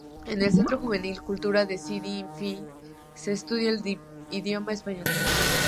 En el Centro Juvenil Cultural de Sidi Ifni se estudia el idioma español.